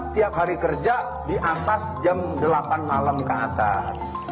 tiap hari kerja di atas jam delapan malam ke atas